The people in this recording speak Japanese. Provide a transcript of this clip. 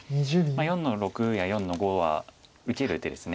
４の六や４の五は受ける手です。